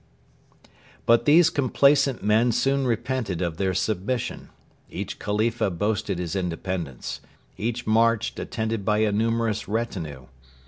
'] But these complaisant men soon repented of their submission. Each Khalifa boasted his independence. Each marched attended by a numerous retinue.